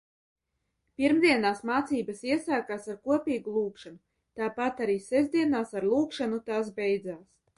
Pirmdienās mācības iesākās ar kopīgu lūgšanu, tāpat arī sestdienās ar lūgšanu tās beidzās.